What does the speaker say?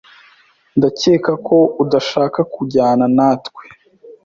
Ndakeka ko udashaka kujyana natwe.